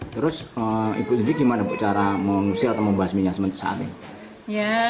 terus ibu sudi bagaimana cara mengusir atau membahas minyak sementara saat ini